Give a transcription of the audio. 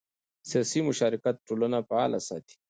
سیاسي مشارکت ټولنه فعاله ساتي